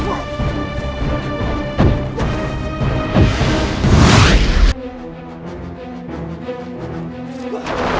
bawa dia kiumbun